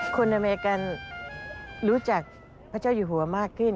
อเมริกันรู้จักพระเจ้าอยู่หัวมากขึ้น